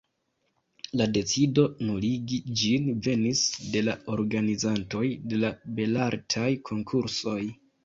La decido nuligi ĝin venis de la organizantoj de la Belartaj Konkursoj.